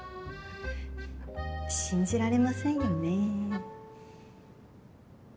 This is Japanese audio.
信じられませんよね。